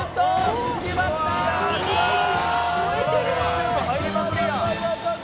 シュート入りまくりやん。